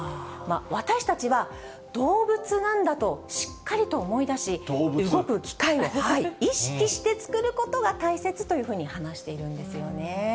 私たちは動物なんだと、しっかりと思い出し、動く機会を意識して作ることが大切というふうに話しているんですよね。